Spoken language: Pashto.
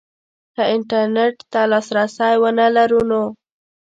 که انترنټ ته لاسرسی ونه لرو نو